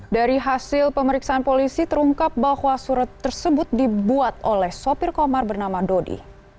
dari hasil pemeriksaan polisi terungkap bahwa surat tersebut dibuat oleh sopir komar bernama dodi